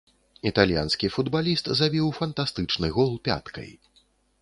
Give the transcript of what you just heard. Італьянскі футбаліст забіў фантастычны гол пяткай.